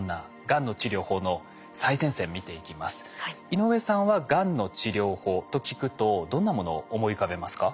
井上さんはがんの治療法と聞くとどんなものを思い浮かべますか？